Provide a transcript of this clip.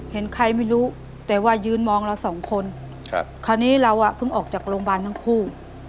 เห็นใครไม่รู้แต่ว่ายืนมองเราสองคนคราวนี้เราอ่ะเพิ่งออกจากโรงพยาบาลทั้งคู่